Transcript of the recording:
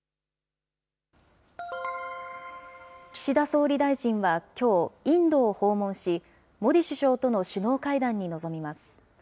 岸田総理大臣はきょう、インドを訪問し、モディ首相との首脳会談に臨みます。